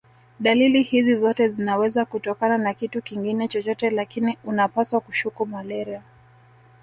Dalili hizi zote zinaweza kutokana na kitu kingine chochote lakini unapaswa kushuku malaria